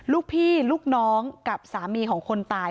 ลูกพี่ลูกน้องกับสามีของคนตาย